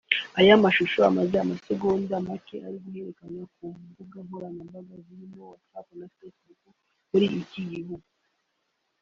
Aya mashusho amara amasegonda make ari guhererekanywa ku mbuga nkoranyambaga zirimo WhatsApp na Facebook muri icyo gihugu